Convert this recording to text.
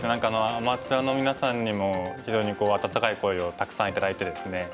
アマチュアのみなさんにも非常に温かい声をたくさん頂いてですね。